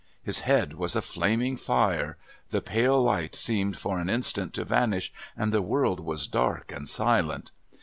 His head was a flaming fire. The pale light seemed for an instant to vanish, and the world was dark and silent.